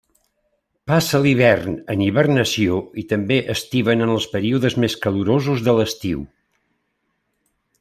Passa l'hivern en hibernació i també estiven en els períodes més calorosos de l'estiu.